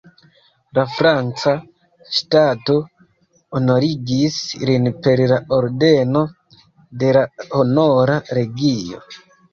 La franca ŝtato honorigis lin per la ordeno de la Honora Legio.